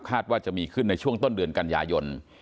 ว่าจะมีขึ้นในช่วงต้นเดือนกันยายน